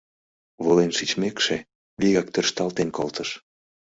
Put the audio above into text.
Волен шичмекше, вигак тӧршталтен колтыш.